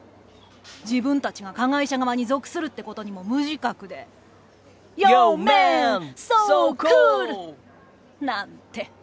自分たちが加害者側に属するってことにも無自覚でなんて。